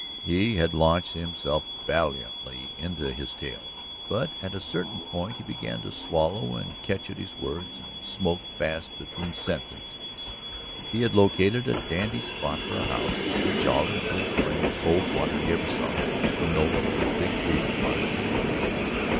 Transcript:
He had launched himself valiantly into his tale. But at a certain point he began to swallow and catch at his words and smoke fast between sentences. He had located a dandy spot for a house ... the jolliest little spring of cold water you ever saw ... a knoll with big trees upon it.